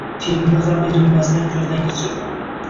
Timni ham erinmasdan ko‘zdan kechirdi